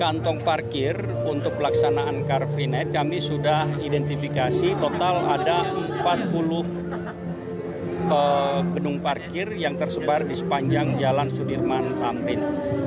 kantong parkir untuk pelaksanaan karpri net kami sudah identifikasi total ada empat puluh benung parkir yang tersebar di sepanjang jalan sudirman tambrin